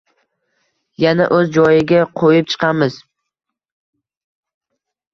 Yana o’z joyiga qo’yib chiqamiz.